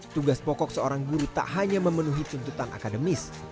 tugas pokok seorang guru tak hanya memenuhi tuntutan akademis